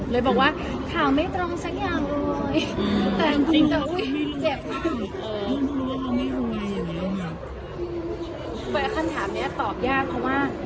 เลยบอกว่าข่าวไม่ตรงสักอย่างเลยอืมแต่อุ้ยเจ็บค่ะอืม